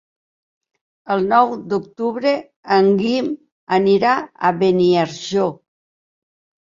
El nou d'octubre en Guim anirà a Beniarjó.